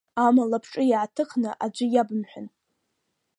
Амала бҿы иааҭыхны аӡәы иабымҳәан.